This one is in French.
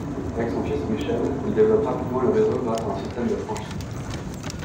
Avec son fils Michel, il développe rapidement le réseau grâce au système de franchise.